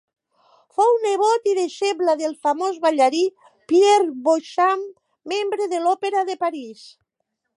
Fou nebot i deixeble del famós ballarí Pierre Beauchamp, membre de l'Òpera de París.